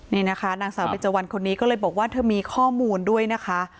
นี่นะคะนางสาวเบนเจวันคนนี้ก็เลยบอกว่าเธอมีข้อมูลด้วยนะคะ